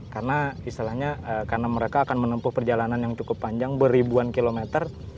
karena istilahnya karena mereka akan menempuh perjalanan yang cukup panjang beribuan kilometer